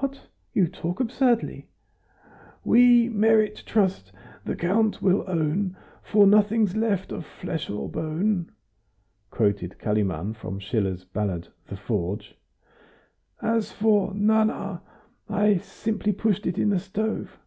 "What! You talk absurdly." "We merit trust, the Count will own; For nothing's left of flesh or bone," quoted Kalimann from Schiller's ballad "The Forge." "As for 'Nana,' I've simply pushed it in the stove."